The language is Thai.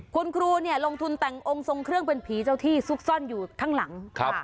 คุณครูเนี่ยลงทุนแต่งองค์ทรงเครื่องเป็นผีเจ้าที่ซุกซ่อนอยู่ข้างหลัง